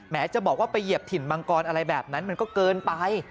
จะบอกว่าไปเหยียบถิ่นมังกรอะไรแบบนั้นมันก็เกินไป